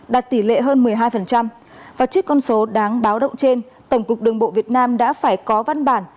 đạt tỷ lệ hơn một mươi hai và trước con số đáng báo động trên tổng cục đường bộ việt nam đã phải có văn bản